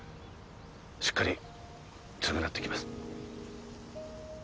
しっかり償ってきます